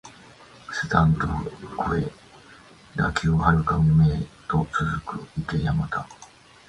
スタンド超えて打球は遥かな夢へと続く、行け山田